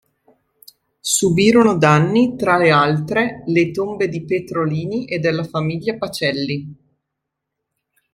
Subirono danni, tra le altre, le tombe di Petrolini e della famiglia Pacelli.